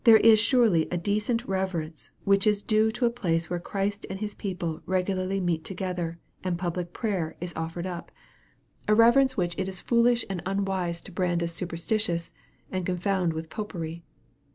There is surely a decent reverence, which is due to a place where Christ and His people regularly meet to gether and public prayer is offered up a reverence which 236 EXPOSITORY THOUGHTS. it is foolish and unwise to brand as superstitious, and confound with Popery.